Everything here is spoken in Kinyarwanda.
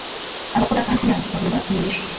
Abakora hafi yayo bagomba kumenyeshwa